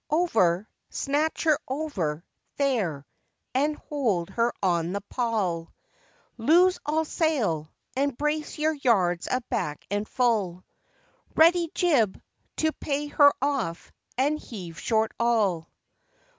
Over, snatch her over, there, and hold her on the pawl. Loose all sail, and brace your yards aback and full Ready jib to pay her off and heave short all!